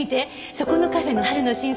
そこのカフェの春の新作！